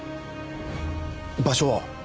場所は？